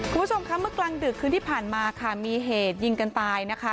คุณผู้ชมคะเมื่อกลางดึกคืนที่ผ่านมาค่ะมีเหตุยิงกันตายนะคะ